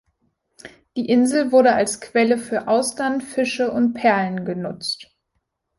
Die Insel wurde als Quelle für Austern, Fische und Perlen genutzt.